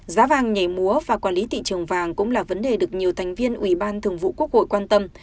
giá vàng nhảy múa và quản lý thị trường vàng cũng là vấn đề được nhiều thành viên ủy ban thường vụ quốc hội quan tâm